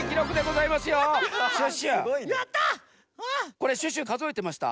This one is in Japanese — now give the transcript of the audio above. これシュッシュかぞえてました？